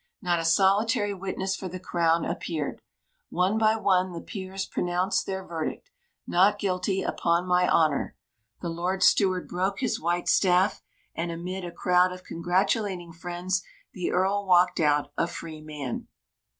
Not a solitary witness for the Crown appeared. One by one the Peers pronounced their verdict, "Not Guilty, upon my honour"; the Lord Steward broke his white staff; and amid a crowd of congratulating friends, the Earl walked out a free man.